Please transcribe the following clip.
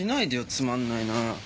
つまんないな。